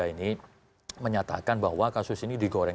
pak andre ini menyatakan bahwa kasus ini digoreng